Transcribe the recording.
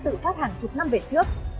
tự phát hàng chục năm về trước